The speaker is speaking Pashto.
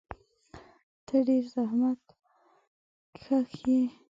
ته ډېر زحمتکښ یې.